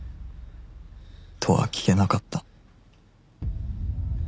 とは聞けなかった